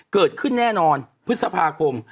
เกิดขึ้นแน่นอนพฤษภาคม